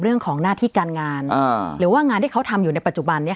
เรื่องของหน้าที่การงานหรือว่างานที่เขาทำอยู่ในปัจจุบันนี้